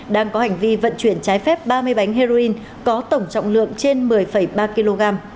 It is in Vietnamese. đang có hành vi vận chuyển trái phép ba mươi bánh heroin có tổng trọng lượng trên một mươi ba kg